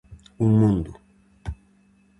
Un mundo.